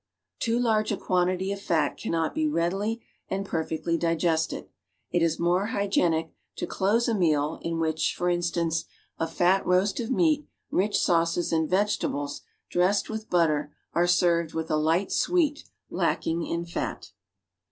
Too large a quantity of fat cannot be readily and perfectly digested. It is more hygienic to close a meal in which, for in stance, a fat roast of meat, rich sauces and vegetables, dressed with butter, are served with a light sweet, lacking in fat.